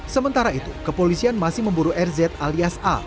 sementara itu kepolisian masih memburu rz alias a